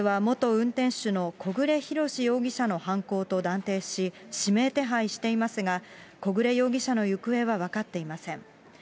警察は元運転手の小暮ひろし容疑者の犯行と断定し、指名手配していますが、小暮容疑者の行方は分かっていません。